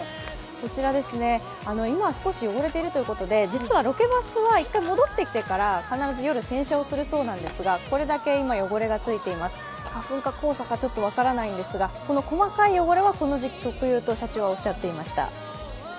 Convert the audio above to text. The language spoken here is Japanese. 今、少し汚れているということで、実はロケバスは１回戻ってきてから必ず夜洗車をするそうなんですがこれだけ今、汚れがついています、花粉か黄砂かちょっと分からないんですが、この細かい汚れはこの時期特有と社長はおっしゃっていました。